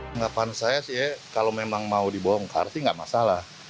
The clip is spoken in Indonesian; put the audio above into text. tanggapan saya sih kalau memang mau dibongkar sih nggak masalah